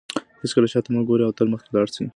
هیڅکله شاته مه ګورئ او تل مخکې لاړ شئ.